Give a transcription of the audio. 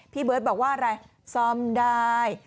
พี่เบิร์ตบอกว่าอะไรซ่อมได้